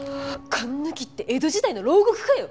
かんぬきって江戸時代の牢獄かよ！